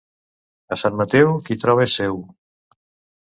A Sant Mateu, qui troba és seu.